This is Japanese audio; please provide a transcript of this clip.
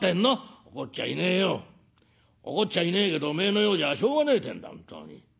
怒っちゃいねえけどおめえのようじゃしょうがねえってんだ本当に。